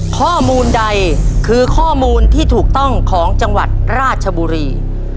ข้อมูลใดคือข้อมูลที่ถูกต้องของจังหวัดราชบุรี